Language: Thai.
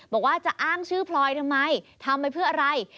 บอกว่าจะอ้างชื่อพลอยทำไมทำไปเพื่ออะไร